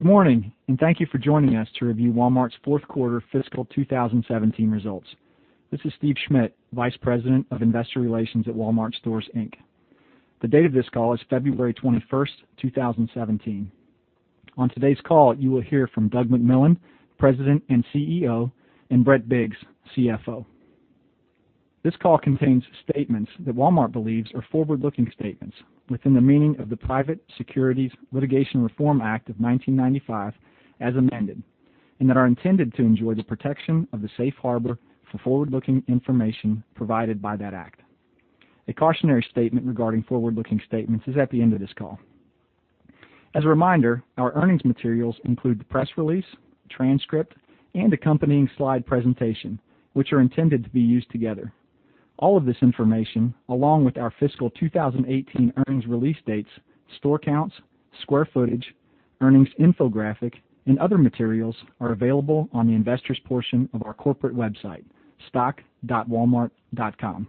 Good morning, and thank you for joining us to review Walmart's fourth quarter fiscal 2017 results. This is Steve Schmitt, Vice President of Investor Relations at Walmart Stores, Inc. The date of this call is February 21st, 2017. On today's call, you will hear from Doug McMillon, President and CEO, and Brett Biggs, CFO. This call contains statements that Walmart believes are forward-looking statements within the meaning of the Private Securities Litigation Reform Act of 1995, as amended, and that are intended to enjoy the protection of the safe harbor for forward-looking information provided by that act. A cautionary statement regarding forward-looking statements is at the end of this call. As a reminder, our earnings materials include the press release, transcript, and accompanying slide presentation, which are intended to be used together. All of this information, along with our fiscal 2018 earnings release dates, store counts, square footage, earnings infographic, and other materials are available on the investors' portion of our corporate website, stock.walmart.com.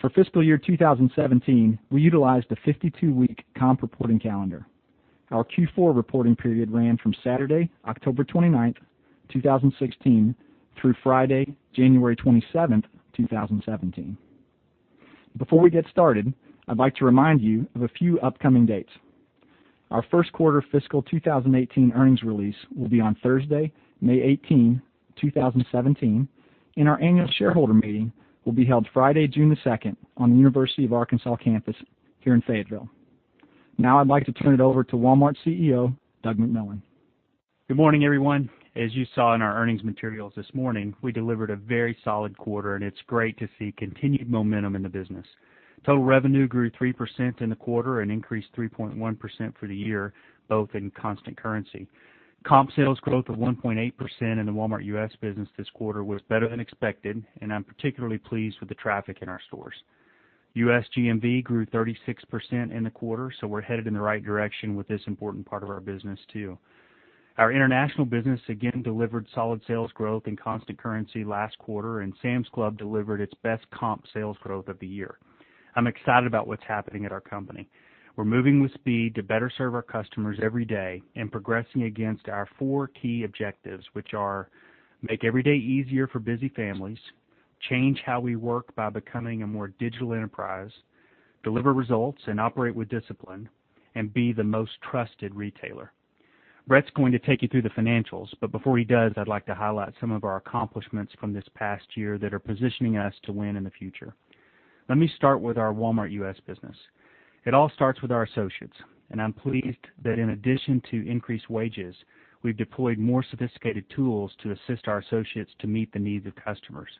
For fiscal year 2017, we utilized a 52-week comp reporting calendar. Our Q4 reporting period ran from Saturday, October 29th, 2016, through Friday, January 27th, 2017. Before we get started, I'd like to remind you of a few upcoming dates. Our first quarter fiscal 2018 earnings release will be on Thursday, May 18, 2017, and our annual shareholder meeting will be held Friday, June the 2nd, on the University of Arkansas campus here in Fayetteville. Now I'd like to turn it over to Walmart's CEO, Doug McMillon. Good morning, everyone. As you saw in our earnings materials this morning, we delivered a very solid quarter, and it's great to see continued momentum in the business. Total revenue grew 3% in the quarter and increased 3.1% for the year, both in constant currency. Comp sales growth of 1.8% in the Walmart U.S. business this quarter was better than expected, and I'm particularly pleased with the traffic in our stores. U.S. GMV grew 36% in the quarter, so we're headed in the right direction with this important part of our business, too. Our international business again delivered solid sales growth in constant currency last quarter, and Sam's Club delivered its best comp sales growth of the year. I'm excited about what's happening at our company. We're moving with speed to better serve our customers every day and progressing against our four key objectives, which are. Make every day easier for busy families. Change how we work by becoming a more digital enterprise. Deliver results and operate with discipline. Be the most trusted retailer. Brett's going to take you through the financials, but before he does, I'd like to highlight some of our accomplishments from this past year that are positioning us to win in the future. Let me start with our Walmart U.S. business. It all starts with our associates, and I'm pleased that in addition to increased wages, we've deployed more sophisticated tools to assist our associates to meet the needs of customers.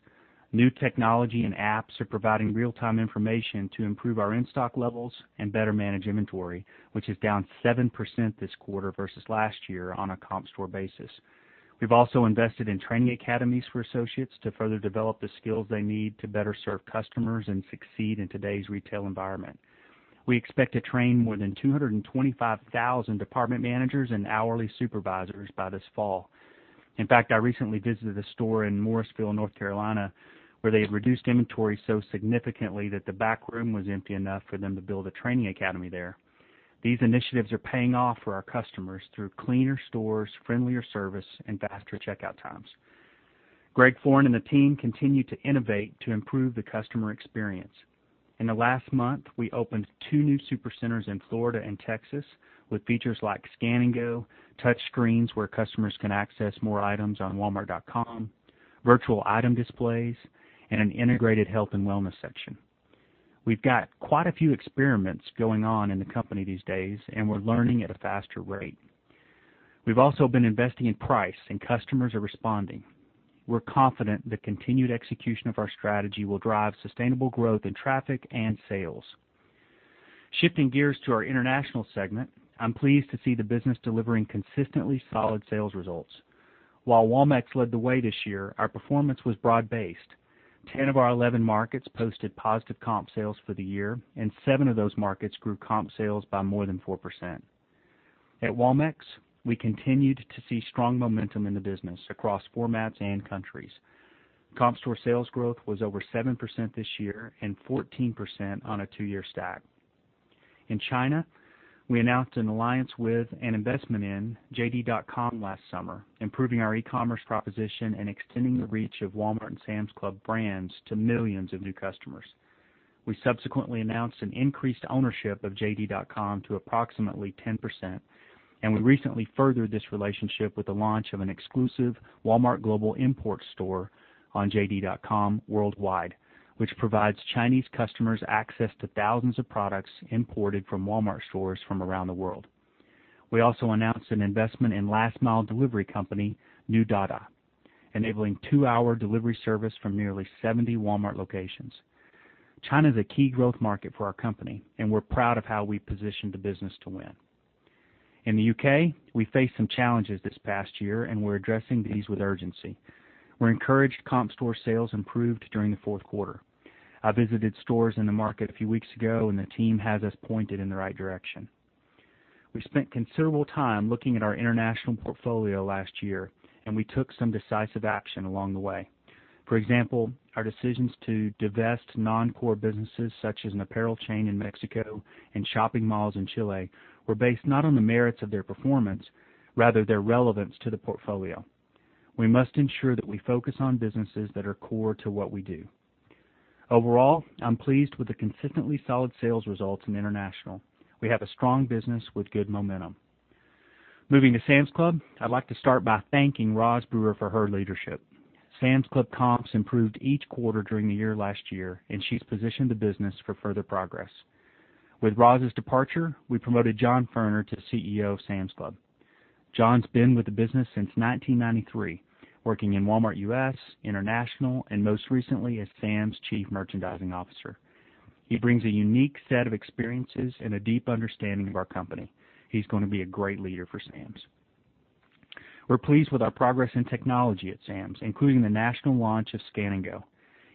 New technology and apps are providing real-time information to improve our in-stock levels and better manage inventory, which is down 7% this quarter versus last year on a comp store basis. We've also invested in training academies for associates to further develop the skills they need to better serve customers and succeed in today's retail environment. We expect to train more than 225,000 department managers and hourly supervisors by this fall. In fact, I recently visited a store in Morrisville, North Carolina, where they had reduced inventory so significantly that the back room was empty enough for them to build a training academy there. These initiatives are paying off for our customers through cleaner stores, friendlier service, and faster checkout times. Greg Foran and the team continue to innovate to improve the customer experience. In the last month, we opened two new Supercenters in Florida and Texas with features like Scan & Go, touch screens where customers can access more items on walmart.com, virtual item displays, and an integrated health and wellness section. We've got quite a few experiments going on in the company these days, and we're learning at a faster rate. We've also been investing in price, and customers are responding. We're confident the continued execution of our strategy will drive sustainable growth in traffic and sales. Shifting gears to our international segment, I'm pleased to see the business delivering consistently solid sales results. While Walmex led the way this year, our performance was broad-based. 10 of our 11 markets posted positive comp sales for the year, and seven of those markets grew comp sales by more than 4%. At Walmex, we continued to see strong momentum in the business across formats and countries. Comp store sales growth was over 7% this year and 14% on a two-year stack. In China, we announced an alliance with and investment in JD.com last summer, improving our e-commerce proposition and extending the reach of Walmart and Sam's Club brands to millions of new customers. We subsequently announced an increased ownership of JD.com to approximately 10%, and we recently furthered this relationship with the launch of an exclusive Walmart global import store on JD.com worldwide, which provides Chinese customers access to thousands of products imported from Walmart stores from around the world. We also announced an investment in last-mile delivery company, New Dada, enabling two-hour delivery service from nearly 70 Walmart locations. China is a key growth market for our company, and we're proud of how we positioned the business to win. In the U.K., we faced some challenges this past year, and we're addressing these with urgency. We're encouraged comp store sales improved during the fourth quarter. I visited stores in the market a few weeks ago, and the team has us pointed in the right direction. We spent considerable time looking at our international portfolio last year, and we took some decisive action along the way. For example, our decisions to divest non-core businesses such as an apparel chain in Mexico and shopping malls in Chile were based not on the merits of their performance, rather their relevance to the portfolio. We must ensure that we focus on businesses that are core to what we do. Overall, I'm pleased with the consistently solid sales results in international. We have a strong business with good momentum. Moving to Sam's Club, I'd like to start by thanking Roz Brewer for her leadership. Sam's Club comps improved each quarter during the year last year, and she's positioned the business for further progress. With Roz's departure, we promoted John Furner to CEO of Sam's Club. John's been with the business since 1993, working in Walmart U.S., Walmart International, and most recently as Sam's Chief Merchandising Officer. He brings a unique set of experiences and a deep understanding of our company. He's going to be a great leader for Sam's. We're pleased with our progress in technology at Sam's, including the national launch of Scan & Go.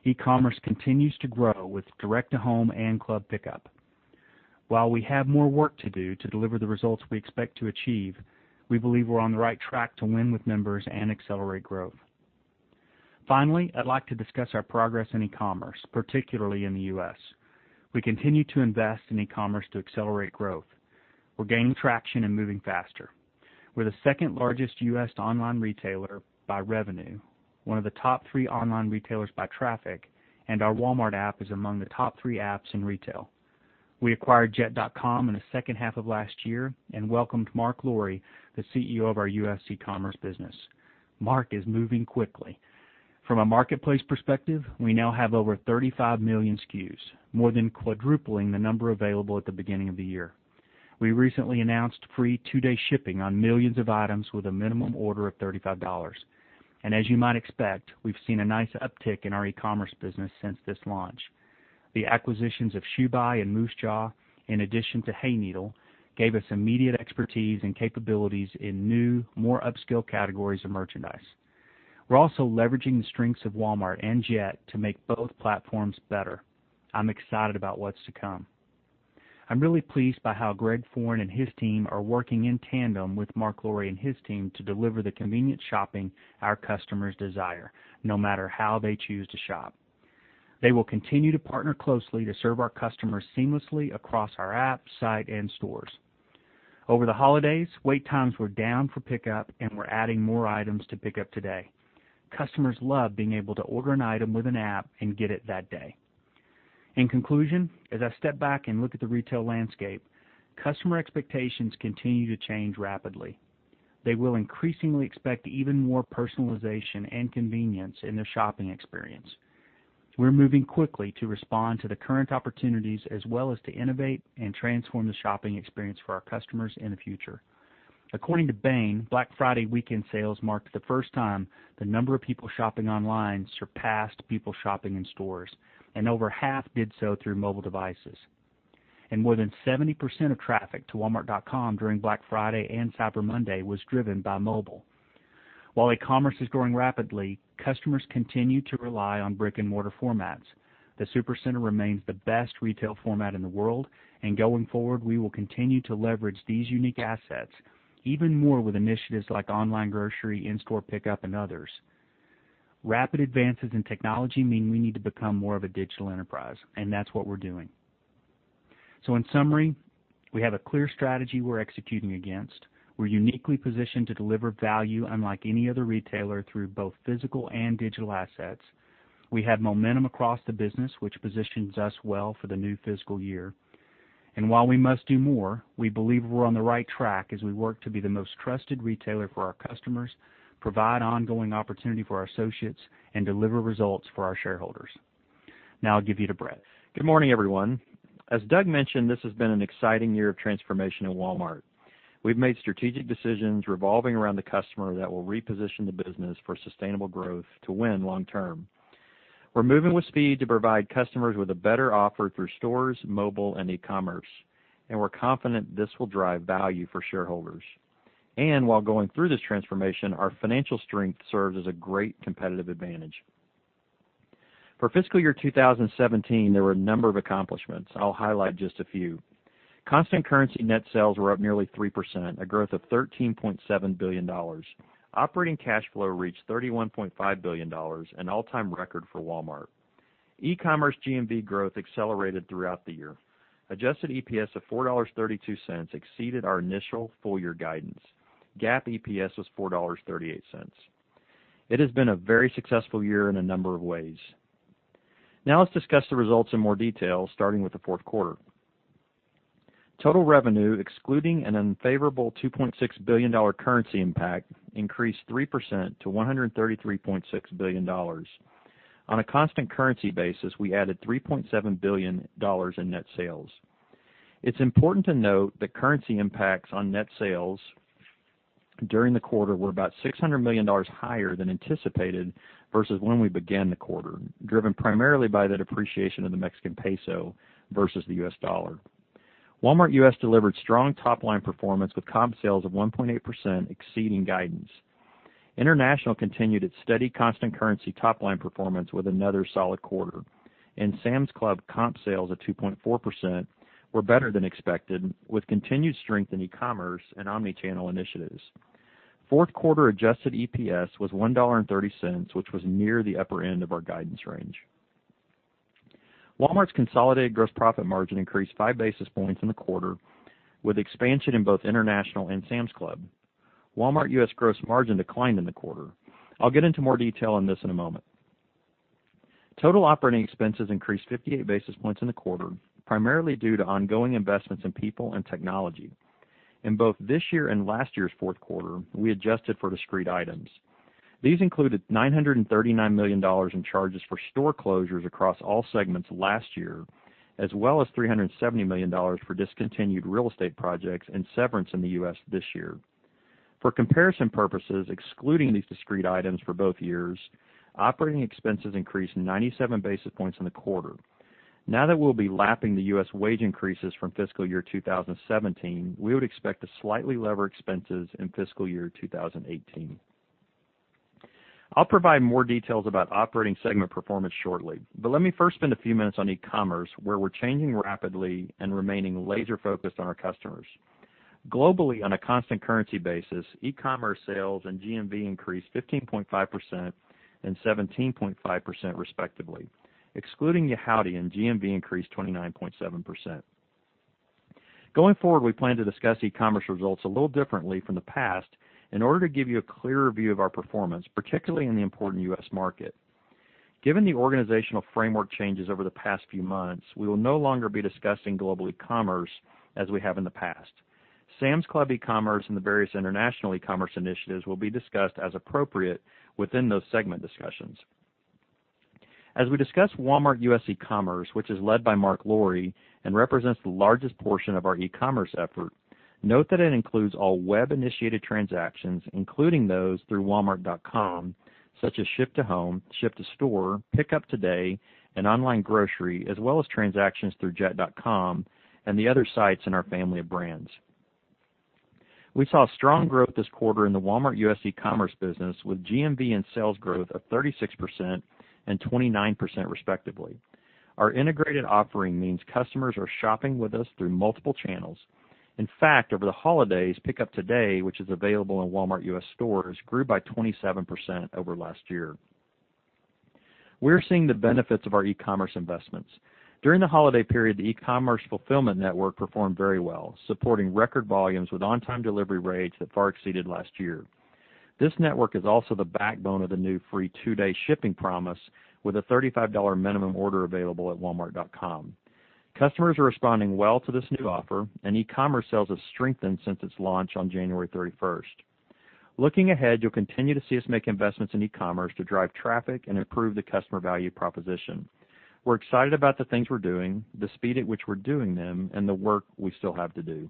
E-commerce continues to grow with direct-to-home and Club Pickup. While we have more work to do to deliver the results we expect to achieve, we believe we're on the right track to win with members and accelerate growth. I'd like to discuss our progress in e-commerce, particularly in the U.S. We continue to invest in e-commerce to accelerate growth. We're gaining traction and moving faster. We're the second-largest U.S. online retailer by revenue, one of the top three online retailers by traffic, and our Walmart app is among the top three apps in retail. We acquired Jet.com in the second half of last year and welcomed Marc Lore, the CEO of our U.S. e-commerce business. Marc is moving quickly. From a marketplace perspective, we now have over 35 million SKUs, more than quadrupling the number available at the beginning of the year. We recently announced free two-day shipping on millions of items with a minimum order of $35. As you might expect, we've seen a nice uptick in our e-commerce business since this launch. The acquisitions of ShoeBuy and Moosejaw, in addition to Hayneedle, gave us immediate expertise and capabilities in new, more upscale categories of merchandise. We're also leveraging the strengths of Walmart and Jet to make both platforms better. I'm excited about what's to come. I'm really pleased by how Greg Foran and his team are working in tandem with Marc Lore and his team to deliver the convenient shopping our customers desire, no matter how they choose to shop. They will continue to partner closely to serve our customers seamlessly across our app, site, and stores. Over the holidays, wait times were down for pickup, and we're adding more items to Pick Up Today. Customers love being able to order an item with an app and get it that day. As I step back and look at the retail landscape, customer expectations continue to change rapidly. They will increasingly expect even more personalization and convenience in their shopping experience. We're moving quickly to respond to the current opportunities as well as to innovate and transform the shopping experience for our customers in the future. According to Bain, Black Friday weekend sales marked the first time the number of people shopping online surpassed people shopping in stores, and over half did so through mobile devices. More than 70% of traffic to walmart.com during Black Friday and Cyber Monday was driven by mobile. While e-commerce is growing rapidly, customers continue to rely on brick-and-mortar formats. The Supercenter remains the best retail format in the world, and going forward, we will continue to leverage these unique assets even more with initiatives like Online Grocery, in-store pickup, and others. Rapid advances in technology mean we need to become more of a digital enterprise, and that's what we're doing. In summary, we have a clear strategy we're executing against. We're uniquely positioned to deliver value unlike any other retailer through both physical and digital assets. We have momentum across the business, which positions us well for the new fiscal year. While we must do more, we believe we're on the right track as we work to be the most trusted retailer for our customers, provide ongoing opportunity for our associates, and deliver results for our shareholders. I'll give you to Brett. Good morning, everyone. As Doug mentioned, this has been an exciting year of transformation at Walmart. We've made strategic decisions revolving around the customer that will reposition the business for sustainable growth to win long term. We're moving with speed to provide customers with a better offer through stores, mobile, and e-commerce, and we're confident this will drive value for shareholders. For FY 2017, there were a number of accomplishments. I'll highlight just a few. Constant currency net sales were up nearly 3%, a growth of $13.7 billion. Operating cash flow reached $31.5 billion, an all-time record for Walmart. e-commerce GMV growth accelerated throughout the year. Adjusted EPS of $4.32 exceeded our initial full-year guidance. GAAP EPS was $4.38. It has been a very successful year in a number of ways. Let's discuss the results in more detail, starting with the fourth quarter. Total revenue, excluding an unfavorable $2.6 billion currency impact, increased 3% to $133.6 billion. On a constant currency basis, we added $3.7 billion in net sales. It's important to note that currency impacts on net sales during the quarter were about $600 million higher than anticipated versus when we began the quarter, driven primarily by the depreciation of the Mexican peso versus the US dollar. Walmart U.S. delivered strong top-line performance with comp sales of 1.8%, exceeding guidance. International continued its steady constant currency top-line performance with another solid quarter, and Sam's Club comp sales of 2.4% were better than expected, with continued strength in e-commerce and omni-channel initiatives. Fourth quarter adjusted EPS was $1.30, which was near the upper end of our guidance range. Walmart's consolidated gross profit margin increased five basis points in the quarter, with expansion in both International and Sam's Club. Walmart U.S. gross margin declined in the quarter. I'll get into more detail on this in a moment. Total operating expenses increased 58 basis points in the quarter, primarily due to ongoing investments in people and technology. In both this year and last year's fourth quarter, we adjusted for discrete items. These included $939 million in charges for store closures across all segments last year, as well as $370 million for discontinued real estate projects and severance in the U.S. this year. For comparison purposes, excluding these discrete items for both years, operating expenses increased 97 basis points in the quarter. That we'll be lapping the U.S. wage increases from FY 2017, we would expect to slightly lever expenses in FY 2018. I'll provide more details about operating segment performance shortly, but let me first spend a few minutes on e-commerce, where we're changing rapidly and remaining laser-focused on our customers. Globally, on a constant currency basis, e-commerce sales and GMV increased 15.5% and 17.5% respectively. Excluding Yihaodian, GMV increased 29.7%. Going forward, we plan to discuss e-commerce results a little differently from the past in order to give you a clearer view of our performance, particularly in the important U.S. market. Given the organizational framework changes over the past few months, we will no longer be discussing global e-commerce as we have in the past. Sam's Club e-commerce and the various international e-commerce initiatives will be discussed as appropriate within those segment discussions. We discuss Walmart U.S. e-commerce, which is led by Marc Lore and represents the largest portion of our e-commerce effort, note that it includes all web-initiated transactions, including those through walmart.com, such as Ship to Home, Ship to Store, Pick Up Today, and Online Grocery, as well as transactions through Jet.com and the other sites in our family of brands. We saw strong growth this quarter in the Walmart U.S. e-commerce business with GMV and sales growth of 36% and 29% respectively. Our integrated offering means customers are shopping with us through multiple channels. In fact, over the holidays, Pick Up Today, which is available in Walmart U.S. stores, grew by 27% over last year. We're seeing the benefits of our e-commerce investments. During the holiday period, the e-commerce fulfillment network performed very well, supporting record volumes with on-time delivery rates that far exceeded last year. This network is also the backbone of the new free two-day shipping promise, with a $35 minimum order available at walmart.com. Customers are responding well to this new offer, and e-commerce sales have strengthened since its launch on January 31st. Looking ahead, you'll continue to see us make investments in e-commerce to drive traffic and improve the customer value proposition. We're excited about the things we're doing, the speed at which we're doing them, and the work we still have to do.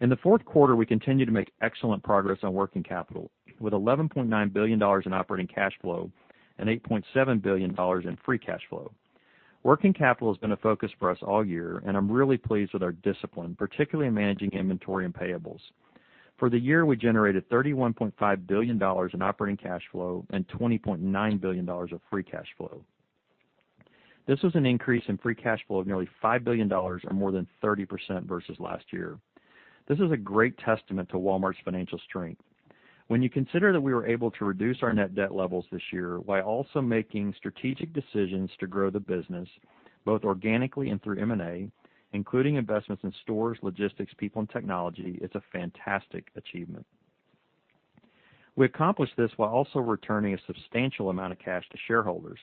In the fourth quarter, we continued to make excellent progress on working capital, with $11.9 billion in operating cash flow and $8.7 billion in free cash flow. Working capital has been a focus for us all year, and I'm really pleased with our discipline, particularly in managing inventory and payables. For the year, we generated $31.5 billion in operating cash flow and $20.9 billion of free cash flow. This was an increase in free cash flow of nearly $5 billion or more than 30% versus last year. This is a great testament to Walmart's financial strength. When you consider that we were able to reduce our net debt levels this year while also making strategic decisions to grow the business, both organically and through M&A, including investments in stores, logistics, people, and technology, it's a fantastic achievement. We accomplished this while also returning a substantial amount of cash to shareholders.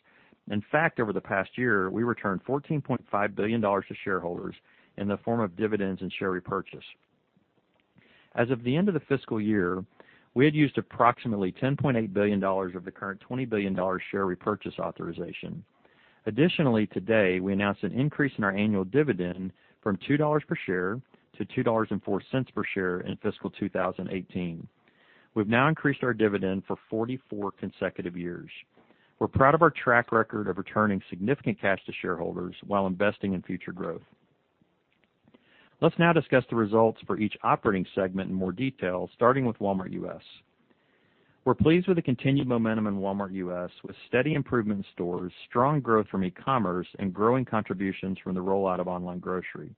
In fact, over the past year, we returned $14.5 billion to shareholders in the form of dividends and share repurchase. As of the end of the fiscal year, we had used approximately $10.8 billion of the current $20 billion share repurchase authorization. Additionally, today, we announced an increase in our annual dividend from $2 per share to $2.04 per share in fiscal 2018. We've now increased our dividend for 44 consecutive years. We're proud of our track record of returning significant cash to shareholders while investing in future growth. Let's now discuss the results for each operating segment in more detail, starting with Walmart U.S. We're pleased with the continued momentum in Walmart U.S., with steady improvement in stores, strong growth from e-commerce, and growing contributions from the rollout of Online Grocery.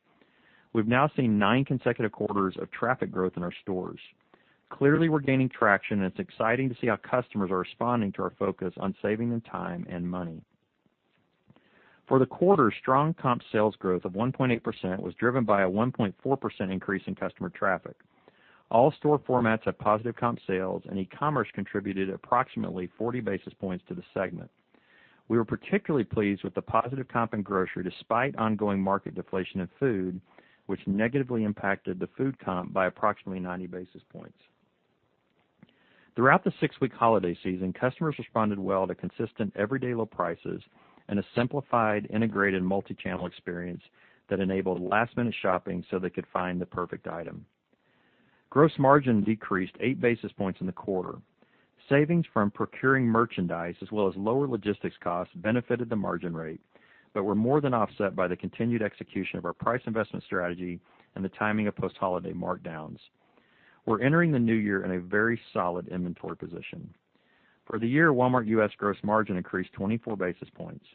We've now seen nine consecutive quarters of traffic growth in our stores. Clearly, we're gaining traction, and it's exciting to see how customers are responding to our focus on saving them time and money. For the quarter, strong comp sales growth of 1.8% was driven by a 1.4% increase in customer traffic. All store formats have positive comp sales, and e-commerce contributed approximately 40 basis points to the segment. We were particularly pleased with the positive comp in grocery despite ongoing market deflation in food, which negatively impacted the food comp by approximately 90 basis points. Throughout the six-week holiday season, customers responded well to consistent everyday low prices and a simplified, integrated multi-channel experience that enabled last-minute shopping so they could find the perfect item. Gross margin decreased eight basis points in the quarter. Savings from procuring merchandise, as well as lower logistics costs, benefited the margin rate, but were more than offset by the continued execution of our price investment strategy and the timing of post-holiday markdowns. We're entering the new year in a very solid inventory position. For the year, Walmart U.S. gross margin increased 24 basis points.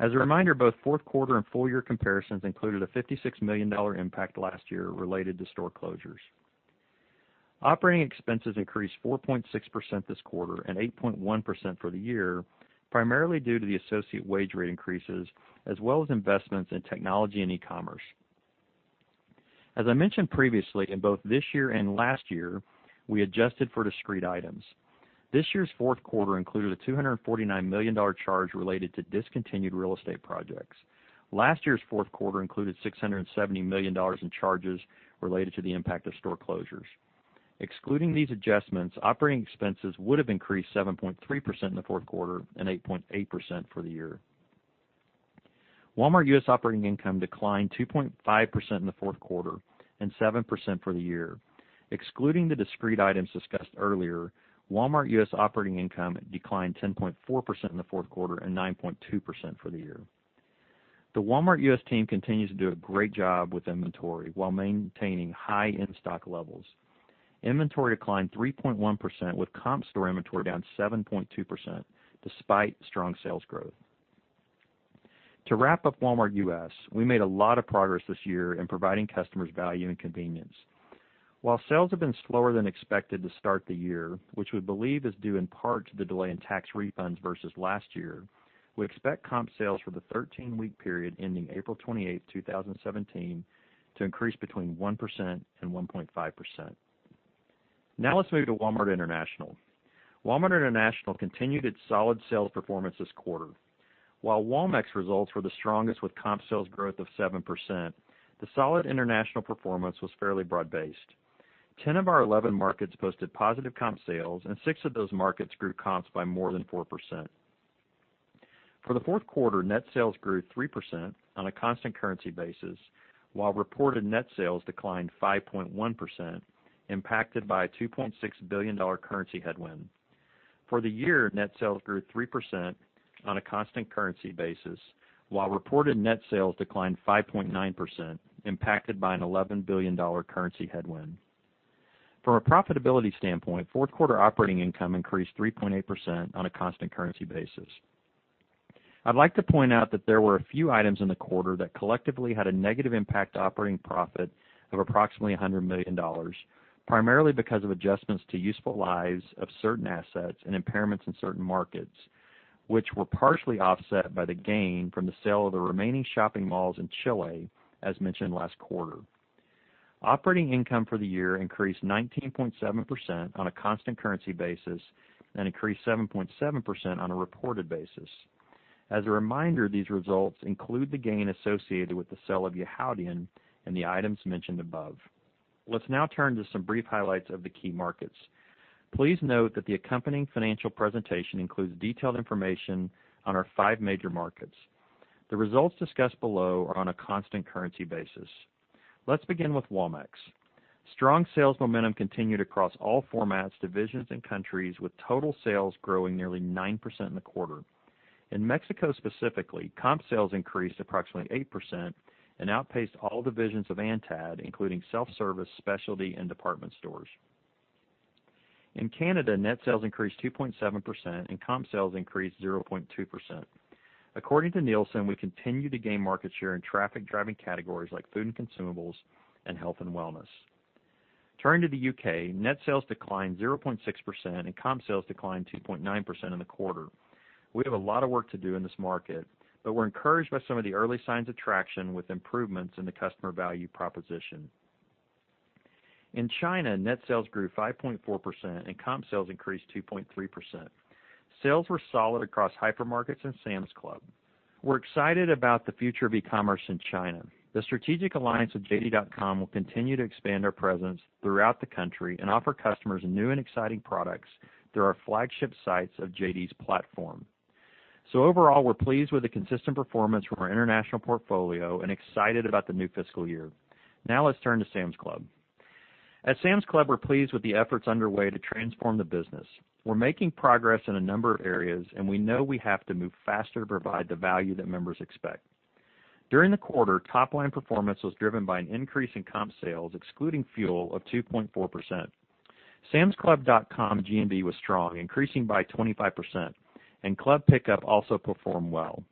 As a reminder, both fourth quarter and full year comparisons included a $56 million impact last year related to store closures. Operating expenses increased 4.6% this quarter and 8.1% for the year, primarily due to the associate wage rate increases, as well as investments in technology and e-commerce. As I mentioned previously, in both this year and last year, we adjusted for discrete items. This year's fourth quarter included a $249 million charge related to discontinued real estate projects. Last year's fourth quarter included $670 million in charges related to the impact of store closures. Excluding these adjustments, operating expenses would have increased 7.3% in the fourth quarter and 8.8% for the year. Walmart U.S. operating income declined 2.5% in the fourth quarter and 7% for the year. Excluding the discrete items discussed earlier, Walmart U.S. operating income declined 10.4% in the fourth quarter and 9.2% for the year. The Walmart U.S. team continues to do a great job with inventory while maintaining high in-stock levels. Inventory declined 3.1%, with comp store inventory down 7.2%, despite strong sales growth. To wrap up Walmart U.S., we made a lot of progress this year in providing customers value and convenience. While sales have been slower than expected to start the year, which we believe is due in part to the delay in tax refunds versus last year, we expect comp sales for the 13-week period ending April 28th, 2017, to increase between 1%-1.5%. Now let's move to Walmart International. Walmart International continued its solid sales performance this quarter. While Walmex results were the strongest with comp sales growth of 7%, the solid international performance was fairly broad-based. 10 of our 11 markets posted positive comp sales, and six of those markets grew comps by more than 4%. For the fourth quarter, net sales grew 3% on a constant currency basis, while reported net sales declined 5.1%, impacted by a $2.6 billion currency headwind. For the year, net sales grew 3% on a constant currency basis, while reported net sales declined 5.9%, impacted by an $11 billion currency headwind. From a profitability standpoint, fourth quarter operating income increased 3.8% on a constant currency basis. I'd like to point out that there were a few items in the quarter that collectively had a negative impact to operating profit of approximately $100 million, primarily because of adjustments to useful lives of certain assets and impairments in certain markets, which were partially offset by the gain from the sale of the remaining shopping malls in Chile, as mentioned last quarter. Operating income for the year increased 19.7% on a constant currency basis and increased 7.7% on a reported basis. As a reminder, these results include the gain associated with the sale of Yihaodian and the items mentioned above. Let's now turn to some brief highlights of the key markets. Please note that the accompanying financial presentation includes detailed information on our five major markets. The results discussed below are on a constant currency basis. Let's begin with Walmex. Strong sales momentum continued across all formats, divisions, and countries with total sales growing nearly 9% in the quarter. In Mexico specifically, comp sales increased approximately 8% and outpaced all divisions of ANTAD, including self-service, specialty, and department stores. In Canada, net sales increased 2.7% and comp sales increased 0.2%. According to Nielsen, we continue to gain market share in traffic-driving categories like food and consumables and health and wellness. Turning to the U.K., net sales declined 0.6% and comp sales declined 2.9% in the quarter. We have a lot of work to do in this market, but we're encouraged by some of the early signs of traction with improvements in the customer value proposition. In China, net sales grew 5.4% and comp sales increased 2.3%. Sales were solid across hypermarkets and Sam's Club. We're excited about the future of e-commerce in China. The strategic alliance with JD.com will continue to expand our presence throughout the country and offer customers new and exciting products through our flagship sites of JD's platform. Overall, we're pleased with the consistent performance from our international portfolio and excited about the new fiscal year. Now let's turn to Sam's Club. At Sam's Club, we're pleased with the efforts underway to transform the business. We're making progress in a number of areas, and we know we have to move faster to provide the value that members expect. During the quarter, top-line performance was driven by an increase in comp sales, excluding fuel, of 2.4%. samsclub.com GMB was strong, increasing by 25%, and Club Pickup also performed well.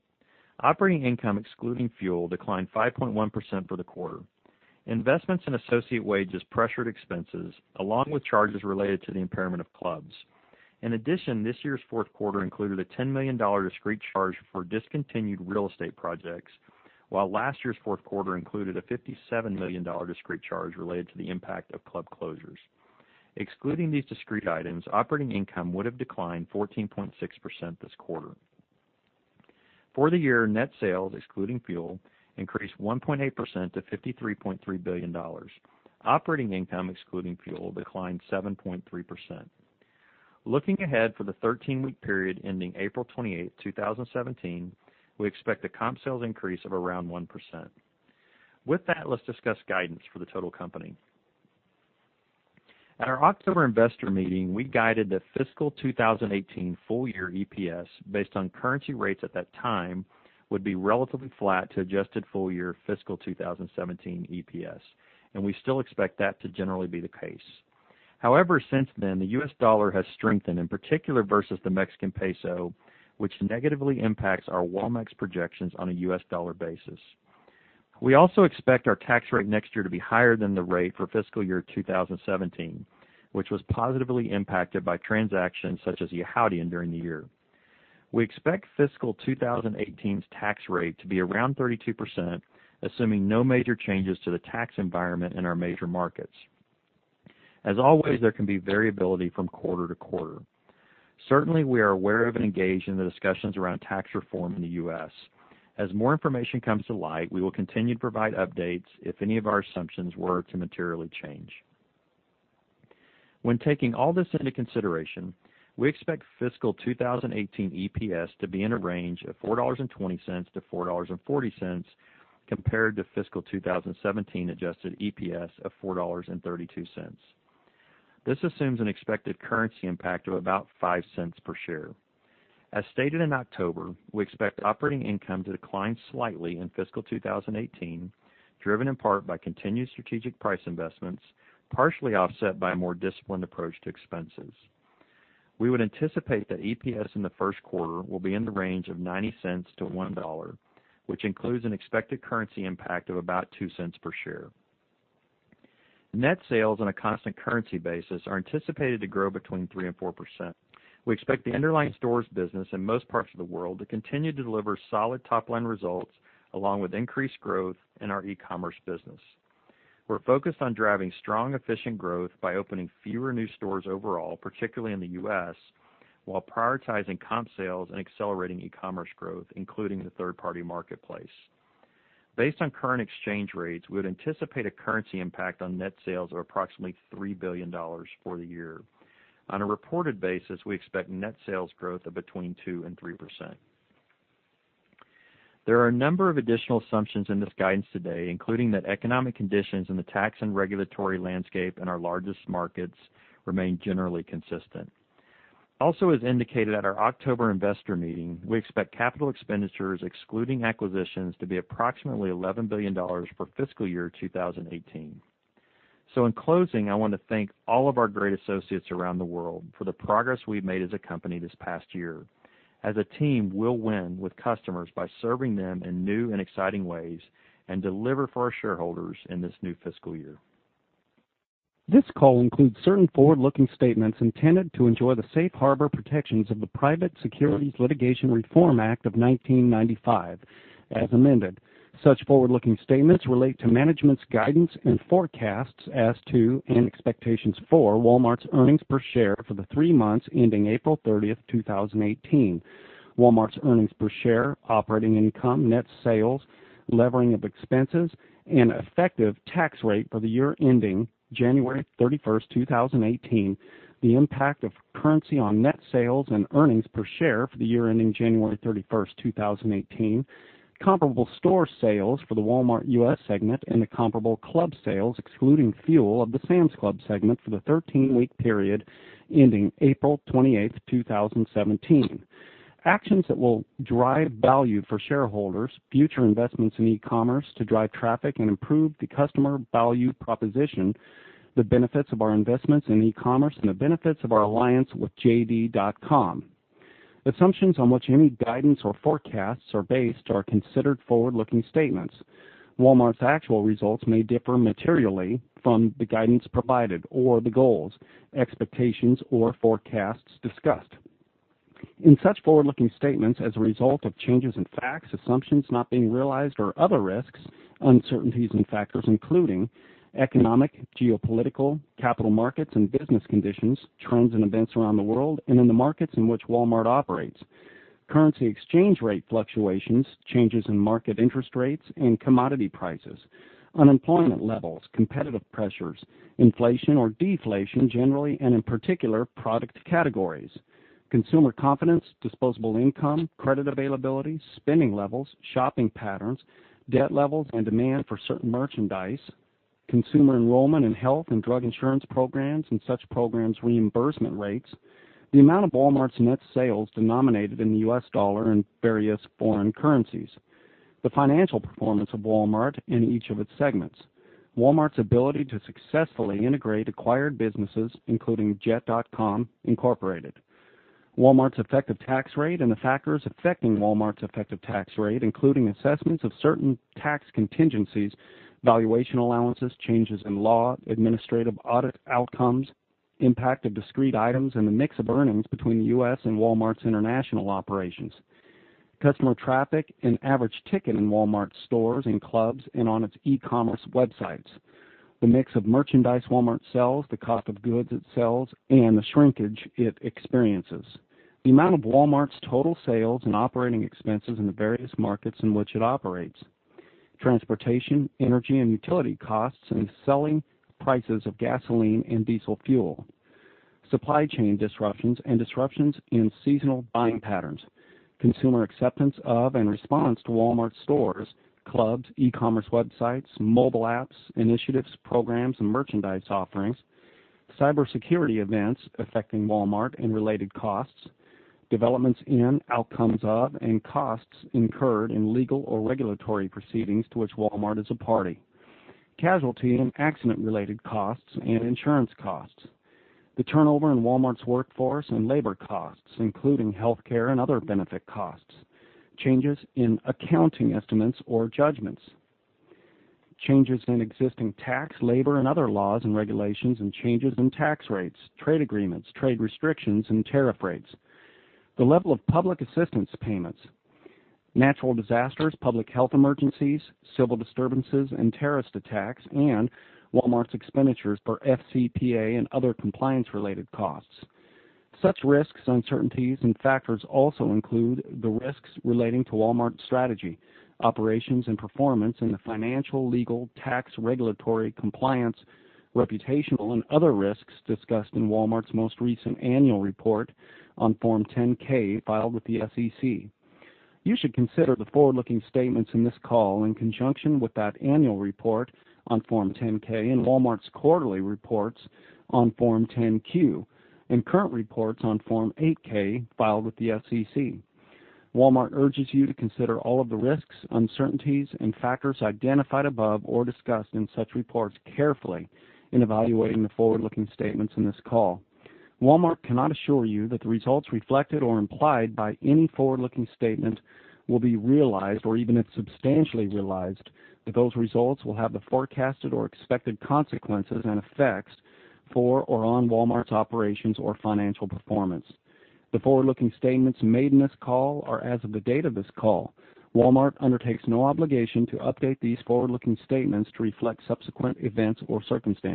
Operating income, excluding fuel, declined 5.1% for the quarter. Investments in associate wages pressured expenses, along with charges related to the impairment of clubs. In addition, this year's fourth quarter included a $10 million discrete charge for discontinued real estate projects, while last year's fourth quarter included a $57 million discrete charge related to the impact of club closures. Excluding these discrete items, operating income would have declined 14.6% this quarter. For the year, net sales, excluding fuel, increased 1.8% to $53.3 billion. Operating income, excluding fuel, declined 7.3%. Looking ahead, for the 13-week period ending April 28th, 2017, we expect a comp sales increase of around 1%. With that, let's discuss guidance for the total company. At our October investor meeting, we guided that fiscal 2018 full-year EPS, based on currency rates at that time, would be relatively flat to adjusted full-year fiscal 2017 EPS, and we still expect that to generally be the case. However, since then, the U.S. dollar has strengthened, in particular versus the Mexican peso, which negatively impacts our Walmex projections on a U.S. dollar basis. We also expect our tax rate next year to be higher than the rate for fiscal year 2017, which was positively impacted by transactions such as Yihaodian during the year. We expect fiscal 2018's tax rate to be around 32%, assuming no major changes to the tax environment in our major markets. As always, there can be variability from quarter to quarter. Certainly, we are aware of and engaged in the discussions around tax reform in the U.S. As more information comes to light, we will continue to provide updates if any of our assumptions were to materially change. When taking all this into consideration, we expect fiscal 2018 EPS to be in a range of $4.20-$4.40, compared to fiscal 2017 adjusted EPS of $4.32. This assumes an expected currency impact of about $0.05 per share. As stated in October, we expect operating income to decline slightly in fiscal 2018, driven in part by continued strategic price investments, partially offset by a more disciplined approach to expenses. We would anticipate that EPS in the first quarter will be in the range of $0.90-$1.00, which includes an expected currency impact of about $0.02 per share. Net sales on a constant currency basis are anticipated to grow between 3% and 4%. We expect the underlying stores business in most parts of the world to continue to deliver solid top-line results, along with increased growth in our e-commerce business. We're focused on driving strong, efficient growth by opening fewer new stores overall, particularly in the U.S., while prioritizing comp sales and accelerating e-commerce growth, including the third-party marketplace. Based on current exchange rates, we would anticipate a currency impact on net sales of approximately $3 billion for the year. On a reported basis, we expect net sales growth of between 2% and 3%. There are a number of additional assumptions in this guidance today, including that economic conditions and the tax and regulatory landscape in our largest markets remain generally consistent. Also, as indicated at our October investor meeting, we expect capital expenditures, excluding acquisitions, to be approximately $11 billion for fiscal year 2018. In closing, I want to thank all of our great associates around the world for the progress we've made as a company this past year. As a team, we'll win with customers by serving them in new and exciting ways and deliver for our shareholders in this new fiscal year. This call includes certain forward-looking statements intended to enjoy the safe harbor protections of the Private Securities Litigation Reform Act of 1995, as amended. Such forward-looking statements relate to management's guidance and forecasts as to, and expectations for, Walmart's earnings per share for the three months ending April 30, 2018. Walmart's earnings per share, operating income, net sales, levering of expenses, and effective tax rate for the year ending January 31st, 2018, the impact of currency on net sales and earnings per share for the year ending January 31st, 2018, comparable store sales for the Walmart U.S. segment, and the comparable club sales, excluding fuel, of the Sam's Club segment for the 13-week period ending April 28th, 2017. Actions that will drive value for shareholders, future investments in e-commerce to drive traffic and improve the customer value proposition, the benefits of our investments in e-commerce, and the benefits of our alliance with JD.com. Assumptions on which any guidance or forecasts are based are considered forward-looking statements. Walmart's actual results may differ materially from the guidance provided or the goals, expectations, or forecasts discussed. In such forward-looking statements, as a result of changes in facts, assumptions not being realized or other risks, uncertainties and factors including economic, geopolitical, capital markets and business conditions, trends and events around the world and in the markets in which Walmart operates, currency exchange rate fluctuations, changes in market interest rates and commodity prices, unemployment levels, competitive pressures, inflation or deflation, generally and in particular product categories, consumer confidence, disposable income, credit availability, spending levels, shopping patterns, debt levels and demand for certain merchandise, consumer enrollment in health and drug insurance programs and such programs' reimbursement rates, the amount of Walmart's net sales denominated in the U.S. dollar and various foreign currencies, the financial performance of Walmart in each of its segments, Walmart's ability to successfully integrate acquired businesses, including Jet.com Incorporated, Walmart's effective tax rate and the factors affecting Walmart's effective tax rate, including assessments of certain tax contingencies, valuation allowances, changes in law, administrative audit outcomes, impact of discrete items, and the mix of earnings between the U.S. and Walmart International operations, customer traffic and average ticket in Walmart stores and clubs and on its e-commerce websites, the mix of merchandise Walmart sells, the cost of goods it sells, and the shrinkage it experiences, the amount of Walmart's total sales and operating expenses in the various markets in which it operates, transportation, energy and utility costs, and selling prices of gasoline and diesel fuel, supply chain disruptions and disruptions in seasonal buying patterns, consumer acceptance of and response to Walmart stores, clubs, e-commerce websites, mobile apps, initiatives, programs and merchandise offerings, cybersecurity events affecting Walmart and related costs, developments in, outcomes of, and costs incurred in legal or regulatory proceedings to which Walmart is a party, casualty and accident-related costs and insurance costs, the turnover in Walmart's workforce and labor costs, including healthcare and other benefit costs, changes in accounting estimates or judgments, changes in existing tax, labor, and other laws and regulations, and changes in tax rates, trade agreements, trade restrictions, and tariff rates, the level of public assistance payments, natural disasters, public health emergencies, civil disturbances, and terrorist attacks, and Walmart's expenditures for FCPA and other compliance-related costs. Such risks, uncertainties, and factors also include the risks relating to Walmart's strategy, operations and performance in the financial, legal, tax, regulatory, compliance, reputational, and other risks discussed in Walmart's most recent annual report on Form 10-K filed with the SEC. You should consider the forward-looking statements in this call in conjunction with that annual report on Form 10-K and Walmart's quarterly reports on Form 10-Q and current reports on Form 8-K filed with the SEC. Walmart urges you to consider all of the risks, uncertainties, and factors identified above or discussed in such reports carefully in evaluating the forward-looking statements in this call. Walmart cannot assure you that the results reflected or implied by any forward-looking statement will be realized or even if substantially realized, that those results will have the forecasted or expected consequences and effects for or on Walmart's operations or financial performance. The forward-looking statements made in this call are as of the date of this call. Walmart undertakes no obligation to update these forward-looking statements to reflect subsequent events or circumstances